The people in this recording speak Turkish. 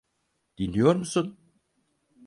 Dinliyor musun?